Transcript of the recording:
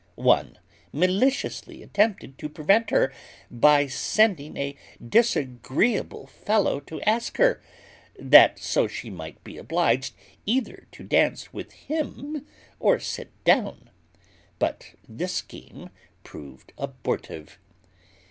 One maliciously attempted to prevent her, by sending a disagreeable fellow to ask her, that so she might be obliged either to dance with him, or sit down; but this scheme proved abortive.